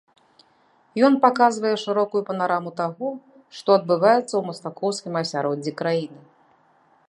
Ён паказвае шырокую панараму таго, што адбываецца ў мастакоўскім асяроддзі краіны.